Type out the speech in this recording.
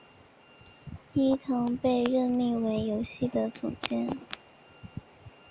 伊藤被任命为游戏的总监。